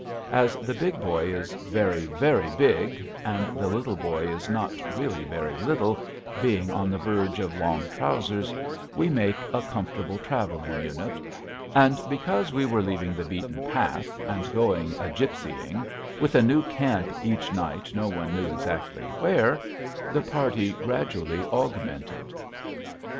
As the Big Boy is very, very big, and the Little Boy is not really very little, being on the verge of long trousers, we make a comfortable traveling unit. And, because we were leaving the beaten path and going a gypsying, with a new camp each night no one knew exactly where, the party gradually augmented.